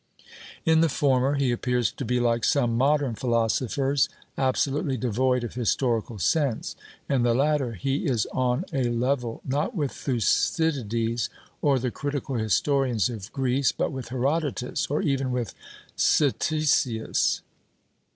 In the former, he appears to be like some modern philosophers, absolutely devoid of historical sense; in the latter, he is on a level, not with Thucydides, or the critical historians of Greece, but with Herodotus, or even with Ctesias.